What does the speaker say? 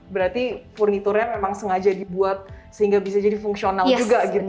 berarti furniture nya memang sengaja dibuat sehingga bisa jadi fungsional juga gitu ya